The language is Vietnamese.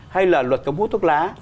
hay là luật cấm hút thuốc lá